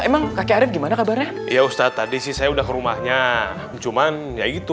emang kakek arief gimana kabarnya ya ustadz tadi sih saya udah ke rumahnya cuman ya gitu